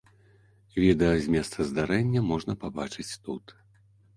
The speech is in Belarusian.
Відэа з месца здарэння можна пабачыць тут.